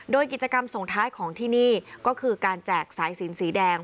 โดยกิจกรรมส่งท้ายของที่นี่ก็คือการแจกสายสินสีแดง